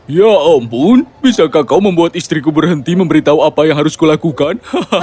ya ampun bisakah kau membuat istriku berhenti memberitahu apa yang harus kulakukan